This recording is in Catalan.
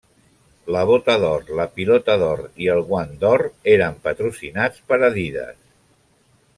La bota d'or, la pilota d'or i el guant d'or eren patrocinats per Adidas.